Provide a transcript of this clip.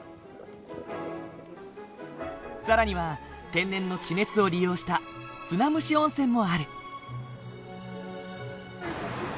更には天然の地熱を利用した砂蒸し温泉もある。